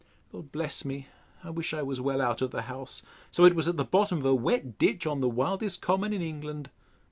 —Lord bless me! I wish I was well out of the house; so it was at the bottom of a wet ditch, on the wildest common in England.